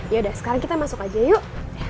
yaudah sekarang kita masuk aja yuk